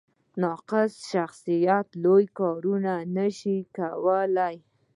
ناقص شخصیت لوی کار نه شي کولی.